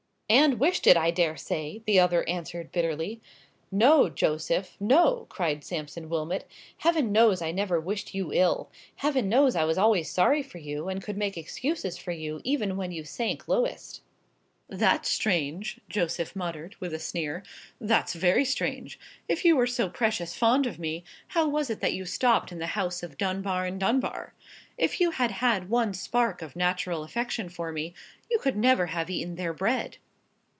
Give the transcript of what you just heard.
"And wished it, I dare say!" the other answered, bitterly. "No, Joseph,—no!" cried Sampson Wilmot; "Heaven knows I never wished you ill. Heaven knows I was always sorry for you, and could make excuses for you even when you sank lowest!" "That's strange!" Joseph muttered, with a sneer; "that's very strange! If you were so precious fond of me, how was it that you stopped in the house of Dunbar and Dunbar? If you had had one spark of natural affection for me, you could never have eaten their bread!"